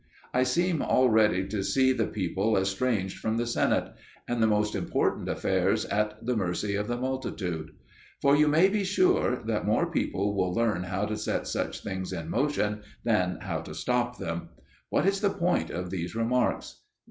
I seem already to see the people estranged from the Senate, and the most important affairs at the mercy of the multitude. For you may be sure that more people will learn how to set such things in motion than how to stop them. What is the point of these remarks?